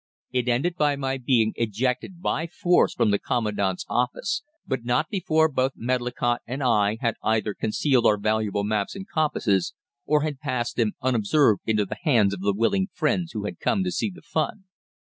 It ended by my being ejected by force from the Commandant's office, but not before both Medlicott and I had either concealed our valuable maps and compasses or had passed them unobserved into the hands of the willing friends who had come to see the fun."